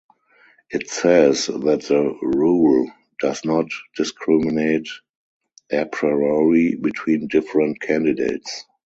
It says that the rule does not discriminate apriori between different candidates.